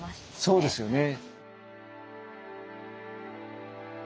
そうですよね。